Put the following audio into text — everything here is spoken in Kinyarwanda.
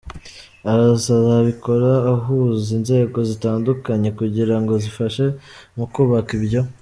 akazabikora ahuza inzego zitandukanye kugira ngo zifashe mu kubaka ibyo.